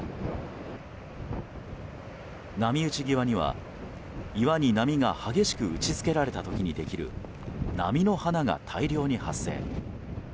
波打ち際には、岩に波が激しく打ち付けられた時にできる波の花が大量に発生。